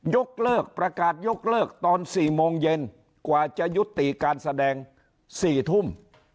ยกเลิกประกาศยกเลิกตอน๔โมงเย็นกว่าจะยุติการแสดง๔ทุ่ม